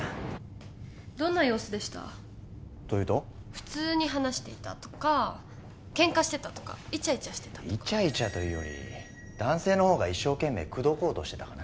普通に話していたとかケンカしてたとかイチャイチャしてたとかイチャイチャというより男性の方が一生懸命口説こうとしてたかな